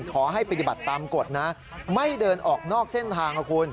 ขอให้ปฏิบัติตามกฎนะไม่เดินออกนอกเส้นทางนะคุณ